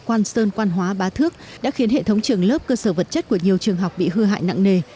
quang sơn quang hóa ba thước đã khiến hệ thống trường lớp cơ sở vật chất của nhiều trường học bị hư hại nặng nề